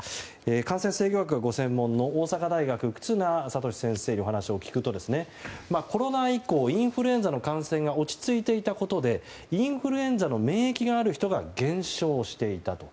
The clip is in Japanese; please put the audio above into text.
感染制御学が専門の大阪大学忽那賢志先生にお話を聞くとコロナ以降インフルエンザ感染が落ち着いていたことでインフルエンザの免疫がある人が減少していたと。